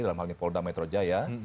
dalam hal ini polda metro jaya